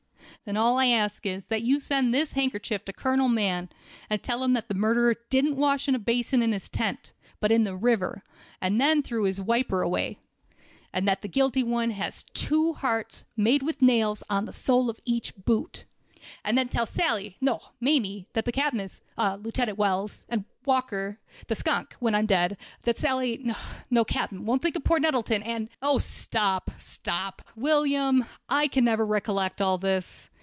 "Then all I ask is, that you send this handkerchief to Colonel Mann, and tell him the murderer didn't wash in a basin in his tent, but in the river, and then threw this wiper away; and that the guilty one has two hearts, made with nails, on the sole of each boot. And tell Sally—no, Mamie—that the captain is—Lieutenant Wells—and Walker—the skunk, when I'm dead—that Sally—no, capt'n, won't think of poor Nettleton—and—" "Oh stop! stop! William, I can never recollect all this.